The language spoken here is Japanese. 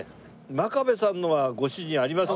真壁さんのはご主人あります？